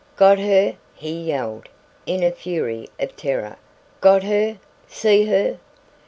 "Got her?" he yelled, in a fury of terror. "Got her? See her?"